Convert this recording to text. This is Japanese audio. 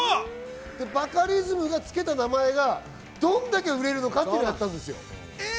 バカリズムがつけた名前がどれだけ売れるのかっていうことなんです。